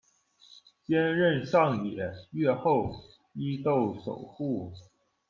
兼任上野，越后，伊豆守护。